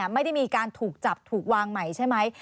ไม่ได้มีการถูกจับถูกวางใหม่ใช่ไหม